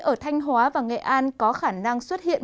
ở thanh hóa và nghệ an có khả năng xuất hiện